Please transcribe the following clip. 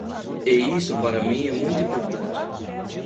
E isso para mim é muito importante.